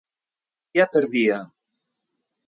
Dia per dia.